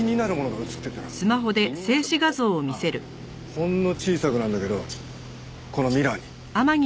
ほんの小さくなんだけどこのミラーに。